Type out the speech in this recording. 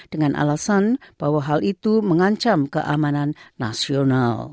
dengan alasan bahwa hal itu mengancam keamanan nasional